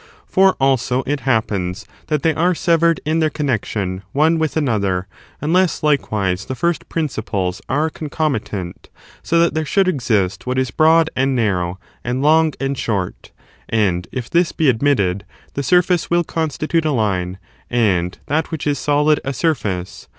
For also it happens that they are severed in their connexion one with another, unless likewise the first principles are concomitant, so that there should exist what is broad and narrow, and long and short And if this be admitted, the surface will constitute a line, and that which is solid a surface.